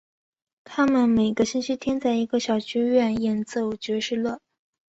他们每个星期天在一个小剧院演奏爵士乐。